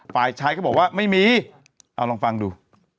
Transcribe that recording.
ปลายใช้เขาบอกว่าไม่มีเอาลองฟังดู